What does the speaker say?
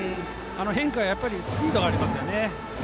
変化、やっぱりスピードがありますよね。